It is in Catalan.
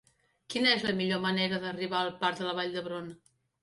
Quina és la millor manera d'arribar al parc de la Vall d'Hebron?